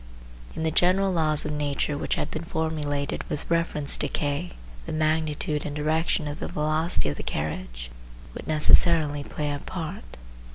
In the general laws of nature which have been formulated with reference to K, the magnitude and direction of the velocity of the carriage would necessarily play a part.